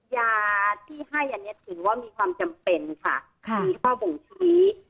ยาที่ให้คือมีความจำเป็นมีข้อบูงชุ้ย